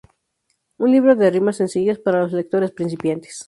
Un libro de rimas sencillas para los lectores principiantes.